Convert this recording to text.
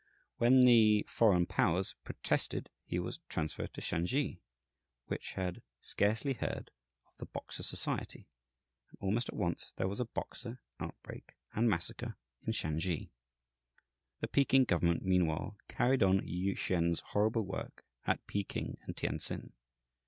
When the foreign powers protested he was transferred to Shansi, which had scarcely heard of the Boxer Society, and almost at once there was a "Boxer" outbreak and massacre in Shansi. The Peking government meanwhile carried on Yü Hsien's horrible work at Peking and Tientsin.